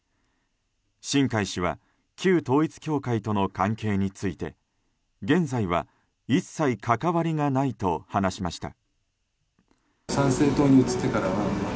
新開氏は旧統一教会との関係について現在は一切関わりがないと話しました。